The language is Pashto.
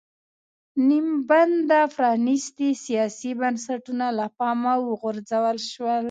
نیم بنده پرانېستي سیاسي بنسټونه له پامه وغورځول شول.